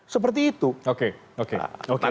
seperti itu oke oke oke baik